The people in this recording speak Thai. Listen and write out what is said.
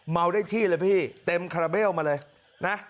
เม้าได้ที่เลยพี่เต็มคระเบลมาเลย